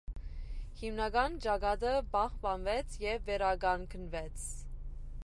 Հիմնական ճակատը պահպանվեց և վերականգնվեց։